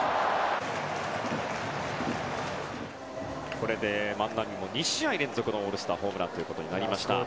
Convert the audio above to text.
これで万波も２試合連続のホームランとなりました。